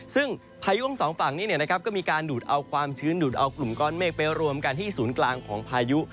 ซึ่งพายุทั้งสองฝั่งนี้ก็มีการดูดเอาความชื้นดูดเอากลุ่มก้อนเมฆไปรวมกันที่ศูนย์กลางของพายุ